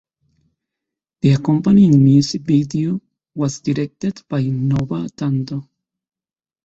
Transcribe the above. The accompanying music video was directed by Nova Dando.